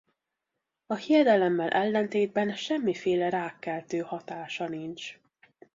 A hiedelemmel ellentétben semmiféle rákkeltő hatása sincs.